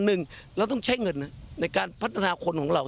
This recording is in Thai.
หนึ่งเราต้องใช้เงินในการพัฒนาคนของเรา